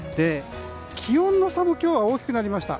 気温の差も大きくなりました。